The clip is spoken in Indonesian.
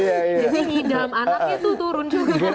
jadi hidam anaknya tuh turun juga